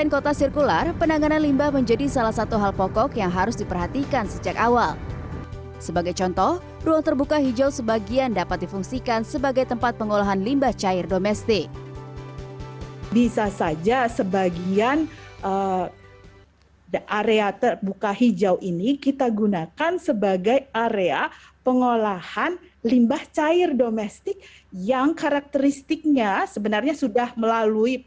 kota ibu kota baru nusantara